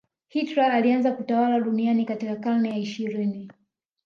hitler alianza kutawala duniani katika karne ya ishirini